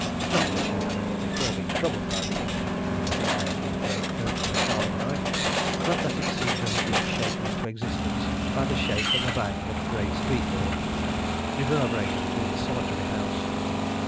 Not that she had ever before been troubled by the image of anybody armed with a great coat and a carving knife, but that it seemed to have been shaken into existence by the shake and the bang of the great street door, reverberating through the solitary house.